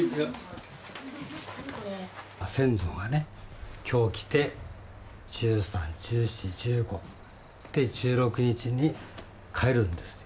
先祖がね今日来て１３１４１５で１６日に帰るんですよ。